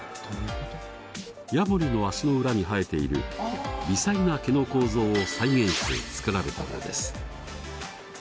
ヤモリの足の裏に生えている微細な毛の構造を再現して作られたのです。